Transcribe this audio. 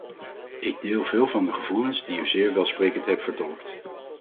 Ik deel veel van de gevoelens die u zeer welsprekend hebt vertolkt.